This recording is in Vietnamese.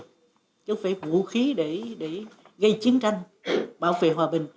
chứ phải vũ khí để gây chiến tranh bảo vệ hòa bình